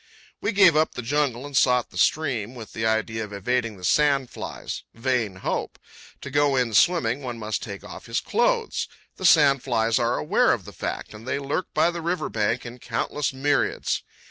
We gave up the jungle and sought the stream with the idea of evading the sand flies. Vain hope! To go in swimming one must take off his clothes. The sand flies are aware of the fact, and they lurk by the river bank in countless myriads.